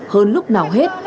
hơn lúc nào hết